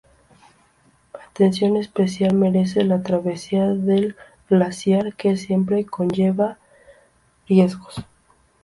Atención especial merece la travesía del glaciar, que siempre conlleva riesgos.